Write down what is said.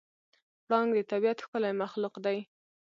پړانګ د طبیعت ښکلی مخلوق دی.